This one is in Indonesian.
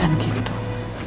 bapak gak lapar